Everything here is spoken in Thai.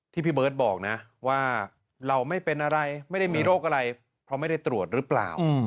พี่เบิร์ตบอกนะว่าเราไม่เป็นอะไรไม่ได้มีโรคอะไรเพราะไม่ได้ตรวจหรือเปล่า